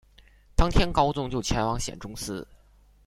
当天高宗就前往显忠寺。